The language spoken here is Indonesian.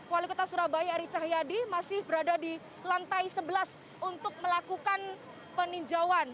wali kota surabaya eri cahyadi masih berada di lantai sebelas untuk melakukan peninjauan